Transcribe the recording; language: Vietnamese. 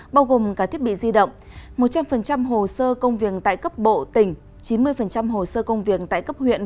bao gồm cả thiết bị di động một trăm linh hồ sơ công việc tại cấp bộ tỉnh chín mươi hồ sơ công việc tại cấp huyện